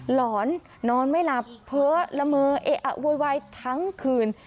หลอนนอนไม่หลับเพ้อละเมอเอะอะโวยวายทั้งคืน